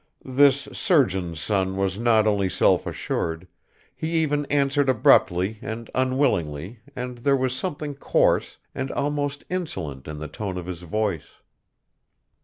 This surgeon's son was not only self assured, he even answered abruptly and unwillingly and there was something coarse and almost insolent in the tone of his voice.